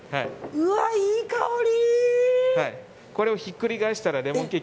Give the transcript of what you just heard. うわ、いい香り！